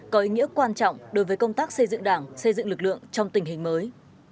có ý nghĩa quan trọng đối với công tác xây dựng đảng xây dựng lực lượng trong tình hình mới